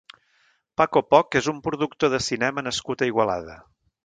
Paco Poch és un productor de cinema nascut a Igualada.